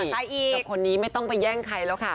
กับคนนี้ไม่ต้องไปแย่งใครแล้วค่ะ